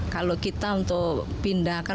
kalau kita untuk pindahkan